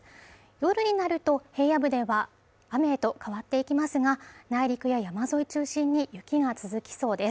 夜になると平野部では雨へと変わっていきますが内陸や山沿い中心に雪が続きそうです